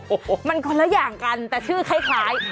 โอ้โหมันคนละอย่างกันแต่ชื่อคล้าย